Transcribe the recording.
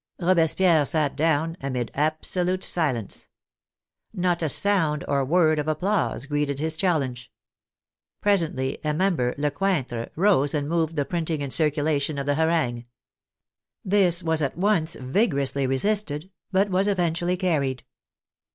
Robespierre sat down amid absolute silence. Not a sound or word of applause greeted his challenge. Pres ently, a member, Lecointre, rose and moved the printing and circulation of the harangue. This was at once vig orously resisted, but was eventually carried.